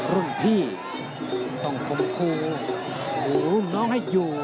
รุ่นพี่ต้องคมครูรุ่นน้องให้อยู่